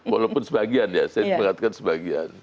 walaupun sebagian ya saya mengatakan sebagian